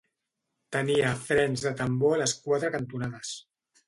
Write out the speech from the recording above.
Tenia frens de tambor a les quatre cantonades.